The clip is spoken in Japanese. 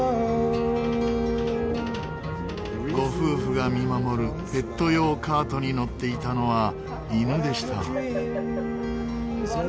ご夫婦が見守るペット用カートに乗っていたのは犬でした。